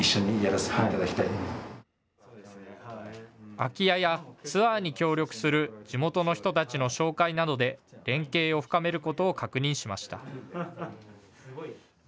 空き家やツアーに協力する地元の人たちの紹介などで連携を深めることを確認しました。